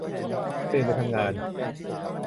ตื่นไปทำงาน